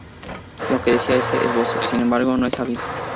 Lo que decía ese esbozo, sin embargo, no es sabido.